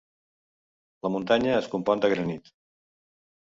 La muntanya es compon de granit.